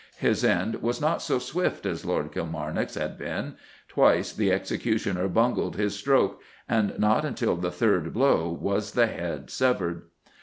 His end was not so swift as Lord Kilmarnock's had been; twice the executioner bungled his stroke, and not until the third blow was the head severed.